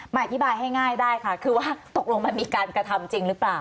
อธิบายให้ง่ายได้ค่ะคือว่าตกลงมันมีการกระทำจริงหรือเปล่า